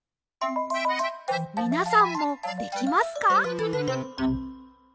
みなさんもできますか？